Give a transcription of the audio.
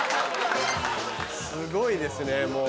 すごいですねもう。